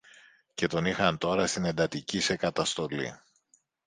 και τον είχαν τώρα στην εντατική σε καταστολή